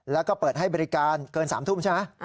แล้วก็เปิดให้บริการเกิน๓ทุ่มใช่ไหม